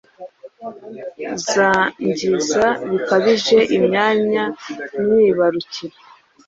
Zangiza bikabije imyanya myibarukiro